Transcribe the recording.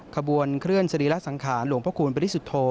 ขบวนเคลื่อนสรีรัสสังขารหลวงพระคุณปฤษฐโธ